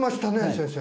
先生